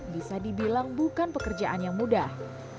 bisa dibilang bukan pekerjaan yang mudah